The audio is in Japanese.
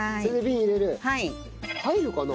入るかな？